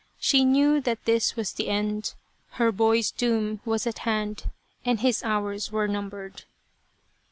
She knew that this was the end. Her boy's doom was at hand and his hours were numbered.